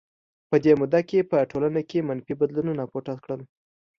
په دې موده کې په ټولنه کې منفي بدلونونو اپوټه کړل.